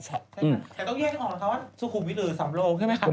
แต่ต้องเยี่ยนออกนะคะว่าสุขุมวิทย์หรือสำโลกใช่ไหมครับ